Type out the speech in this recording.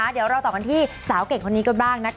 เดี๋ยวเราต่อกันที่สาวเก่งแบบนี้มันก็บ้าง